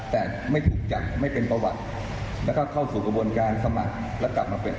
แต่ไม่ถูกจับไม่เป็นประวัติแล้วก็เข้าสู่กระบวนการสมัครแล้วกลับมาเป็น